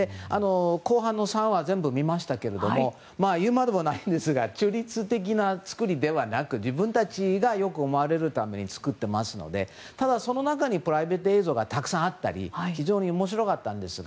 後半に３話全部見ましたけど言うまでもないんですが中立的な作りではなく自分たちが良く思われるために作っていますのでただその中にプライベート映像がたくさんあったり非常に面白かったんですが。